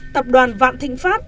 tập đoàn vạn thịnh pháp